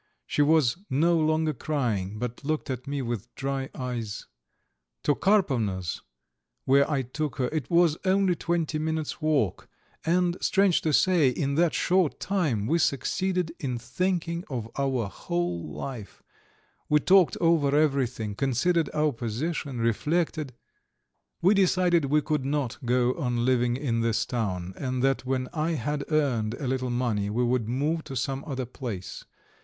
She was no longer crying, but looked at me with dry eyes. To Karpovna's, where I took her, it was only twenty minutes' walk, and, strange to say, in that short time we succeeded in thinking of our whole life; we talked over everything, considered our position, reflected. ... We decided we could not go on living in this town, and that when I had earned a little money we would move to some other place.